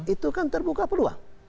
itu kan terbuka peluang